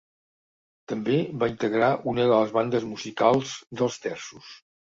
També va integrar una de les bandes musicals dels terços.